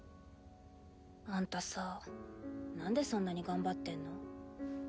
あんたさなんでそんなに頑張ってんの？